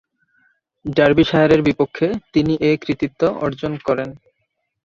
ডার্বিশায়ারের বিপক্ষে তিনি এ কৃতিত্ব অর্জন করেন।